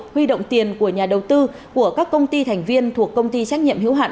huy động tiền của nhà đầu tư của các công ty thành viên thuộc công ty trách nhiệm hữu hạn